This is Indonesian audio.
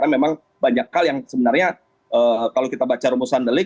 memang banyak hal yang sebenarnya kalau kita baca rumusan delik